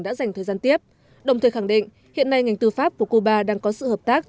đã dành thời gian tiếp đồng thời khẳng định hiện nay ngành tư pháp của cuba đang có sự hợp tác